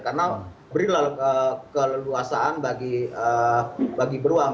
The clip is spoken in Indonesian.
karena beri lalu keleluasaan bagi bagi beruang